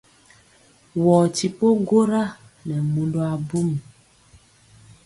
Wɔɔ ti ɓo gwora nɛ mundɔ abum.